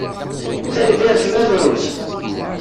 Tanemmirt, ma drus.